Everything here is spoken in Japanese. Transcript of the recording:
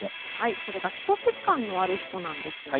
それが基礎疾患のある人なんですね。